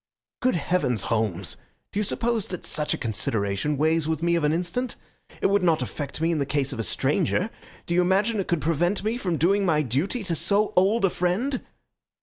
"Good heavens, Holmes! Do you suppose that such a consideration weighs with me of an instant? It would not affect me in the case of a stranger. Do you imagine it would prevent me from doing my duty to so old a friend?"